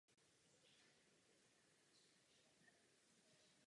V lodi dosud stojí dřevěné lavice.